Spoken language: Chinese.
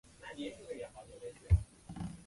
皮肤是由表皮及真皮所组成。